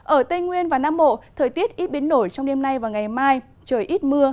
ở tây nguyên và nam bộ thời tiết ít biến nổi trong đêm nay và ngày mai trời ít mưa